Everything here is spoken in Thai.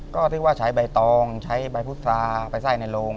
ก็เรียกว่าใช้ใบตองใช้ใบพุษราไปไส้ในโรง